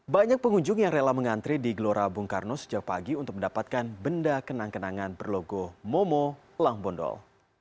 banyak pengunjung yang rela mengantri di gelora bung karno sejak pagi untuk mendapatkan benda kenang kenangan berlogo momo langbondol